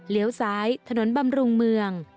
เลี้ยวซ้ายถนนบำรุงเมือง